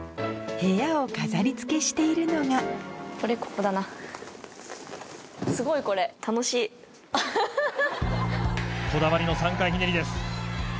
部屋を飾り付けしているのがこだわりの３回ひねりです。